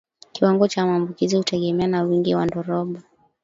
Kiwango cha maambukizi hutegemeana na wingi wa ndorobo